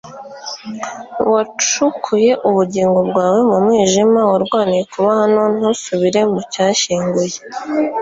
Wacukuye ubugingo bwawe mu mwijima, warwaniye kuba hano; ntusubire mu cyashyinguye. ”